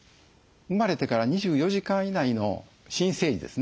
生まれてから２４時間以内の新生児ですね